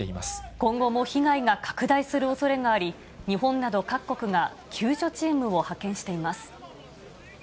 今後も被害が拡大するおそれがあり、日本など各国が救助チームを派遣しています。